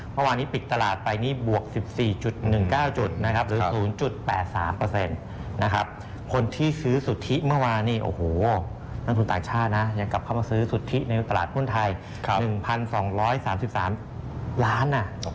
ยังกับความซื้อสุทธิในตลาดหุ้นไทย๑๒๓๓ล้านนะ